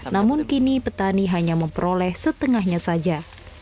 namun kini petani hanya memperoleh setengahnya saja